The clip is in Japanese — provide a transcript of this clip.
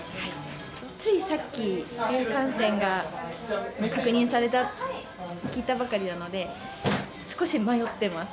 ついさっき、市中感染が確認されたと聞いたばかりなので、少し迷ってます。